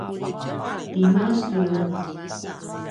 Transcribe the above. tima sun?